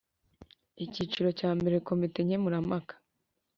Icyiciro cya mbere Komite Nkemurampaka